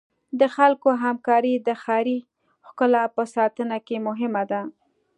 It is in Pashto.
د خلکو همکاري د ښاري ښکلا په ساتنه کې مهمه ده.